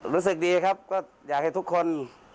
รู้สึกดีครับก็อยากให้ทุกคน